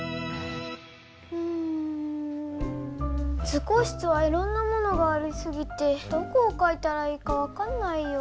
図工室はいろんなものがありすぎてどこをかいたらいいか分かんないよ。